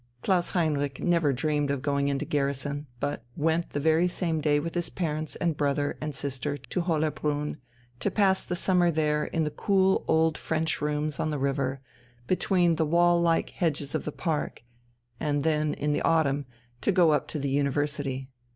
Klaus Heinrich never dreamed of going into garrison, but went the very same day with his parents and brother and sister to Hollerbrunn, to pass the summer there in the cool old French rooms on the river, between the wall like hedges of the park, and then, in the autumn, to go up to the university.